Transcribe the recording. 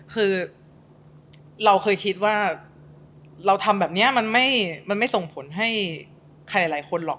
คือเราเคยคิดว่าเราทำแบบนี้มันไม่ส่งผลให้ใครหลายคนหรอก